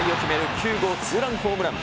９号ツーランホームラン。